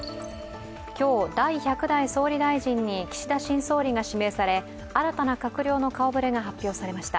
今日、第１００代総理大臣に岸田新総理が指名され、新たな閣僚の顔ぶれが発表されました。